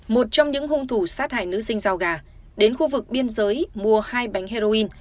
một trong những hung thủ sát hại nữ sinh giao gà đến khu vực biên giới mua hai bánh heroin